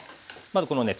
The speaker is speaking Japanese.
まずこのね